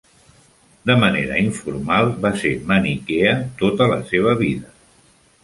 De manera informal, va ser maniquea tota la seva vida.